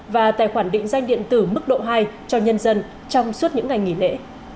và tài khoản định danh điện tử mức độ hai cho nhân dân trong suốt những ngày nghỉ lễ